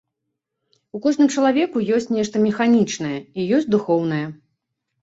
У кожным чалавеку ёсць нешта механічнае і ёсць духоўнае.